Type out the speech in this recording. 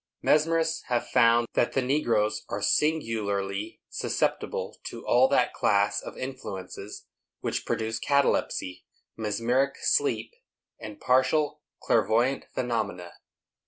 Mesmerists have found that the negroes are singularly susceptible to all that class of influences which produce catalepsy, mesmeric sleep, and partial clairvoyant phenomena.